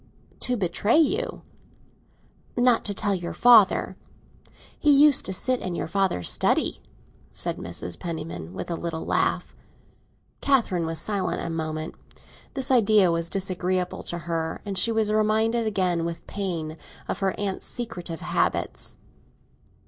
"To betray you?" "Not to tell your father. He used to sit in your father's study!" said Mrs. Penniman, with a little laugh. Catherine was silent a moment. This idea was disagreeable to her, and she was reminded again, with pain, of her aunt's secretive habits.